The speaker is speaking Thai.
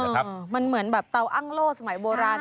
มันเหมือนแบบเตาอ้างโล่สมัยโบราณ